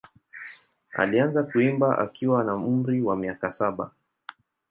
Alianza kuimba akiwa na umri wa miaka saba.